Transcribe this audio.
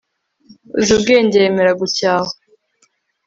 uzi ubwenge yemera gucyahwa